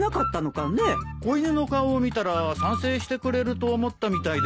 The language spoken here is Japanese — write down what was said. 子犬の顔を見たら賛成してくれると思ったみたいです。